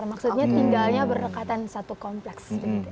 maksudnya tinggalnya berdekatan satu kompleks